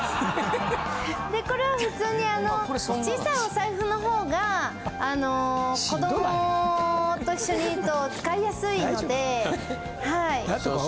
でこれは普通に小さいお財布のほうが子どもと一緒にいると使いやすいので。